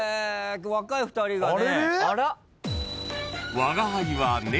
若い２人がね。